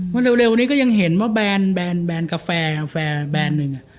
วันเร็วนี้ก็ยังเห็นว่าแบรนด์กาแฟแบรนด์นึง